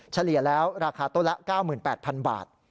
เฉลี่ยแล้วราคาต้นละ๙๘๐๐๐บาท